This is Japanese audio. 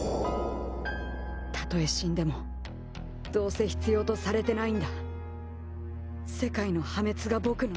たとえ死んでもどうせ必要とされてないんだ。